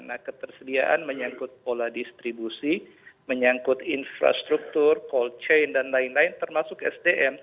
nah ketersediaan menyangkut pola distribusi menyangkut infrastruktur cold chain dan lain lain termasuk sdm